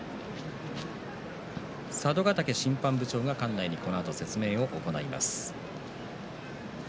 佐渡ヶ嶽審判部長が館内に説明を行います。